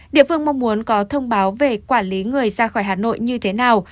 địa phương mong muốn có thông báo về quản lý người ra khỏi hà nội như thế nào